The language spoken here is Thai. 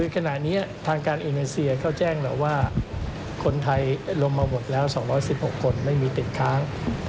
สถานน้องที่๓๑๖คนนั้น